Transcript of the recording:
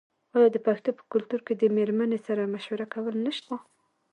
آیا د پښتنو په کلتور کې د میرمنې سره مشوره کول نشته؟